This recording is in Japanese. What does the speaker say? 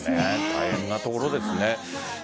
大変なところですね。